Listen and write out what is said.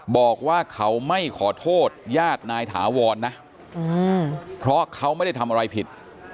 บอกว่าเขาไม่ขอโทษญาตินายถาวรนะเพราะเขาไม่ได้ทำอะไรผิด